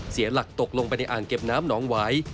เสียหลักตกลงไปในอ่างเก็บน้ำหนองหวาย